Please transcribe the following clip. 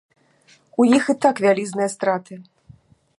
У іх і так вялізныя страты.